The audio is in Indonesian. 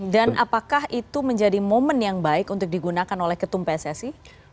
dan apakah itu menjadi momen yang baik untuk digunakan oleh ketum pssi